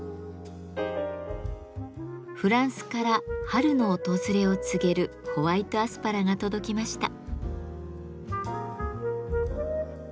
フランスから春の訪れを告げるホワイトアスパラが届きました。